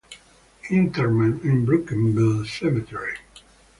Interment in Brookville Cemetery.